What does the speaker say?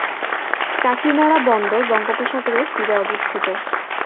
কাকিনাড়া বন্দর বঙ্গোপসাগরের তীরে অবস্থিত।